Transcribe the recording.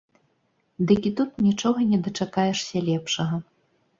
Дык і тут нічога не дачакаешся лепшага.